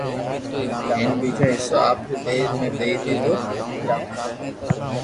ھين ٻيجو حصو آپري ٻئير ني دئي ديدو